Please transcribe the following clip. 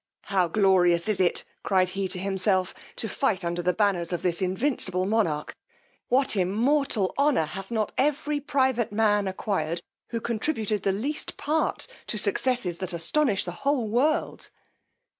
How glorious is it, cried he to himself, to fight under the banners of this invincible monarch! What immortal honour has not every private man acquired, who contributed the least part to successes that astonish the whole world!